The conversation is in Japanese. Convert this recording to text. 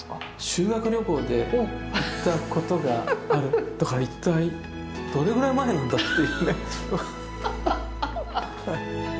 修学旅行で行ったことがあるとか一体どれぐらい前なんだっていうね。